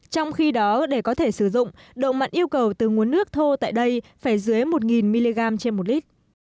trong khi đó để có thể sử dụng độ mặn yêu cầu từ nguồn nước thô tại đây phải dưới một mg trên một lít